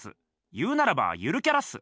言うならばゆるキャラっす。